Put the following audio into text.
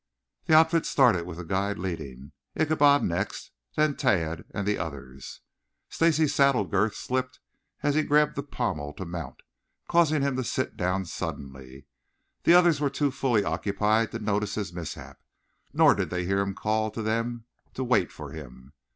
The outfit started with the guide leading, Ichabod next, then Tad and the others. Stacy's saddle girth slipped as he grabbed the pommel to mount, causing him to sit down suddenly. The others were too fully occupied to notice his mishap, nor did they hear him call to them to wait for him.